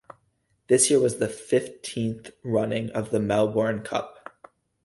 This year was the fifteenth running of the Melbourne Cup.